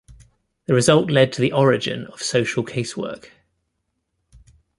The result led to the origin of social casework.